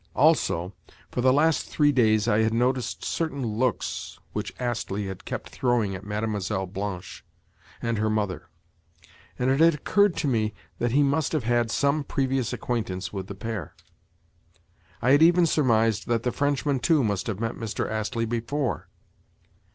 Also, for the last three days I had noticed certain looks which Astley had kept throwing at Mlle. Blanche and her mother; and it had occurred to me that he must have had some previous acquaintance with the pair. I had even surmised that the Frenchman too must have met Mr. Astley before.